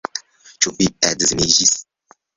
Ĉu vi edziniĝis?